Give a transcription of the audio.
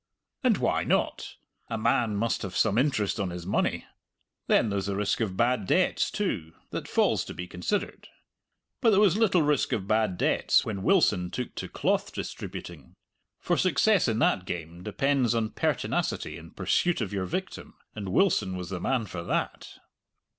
And why not? a man must have some interest on his money! Then there's the risk of bad debts, too that falls to be considered. But there was little risk of bad debts when Wilson took to cloth distributing. For success in that game depends on pertinacity in pursuit of your victim, and Wilson was the man for that.